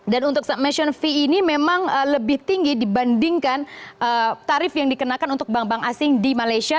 dan untuk submission fee ini memang lebih tinggi dibandingkan tarif yang dikenakan untuk bank bank asing di malaysia